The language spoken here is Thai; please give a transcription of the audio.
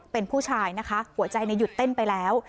เป็นผู้ชายนะคะหัวใจหยุดเต้นไปแล้ว